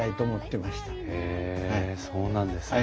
へえそうなんですね。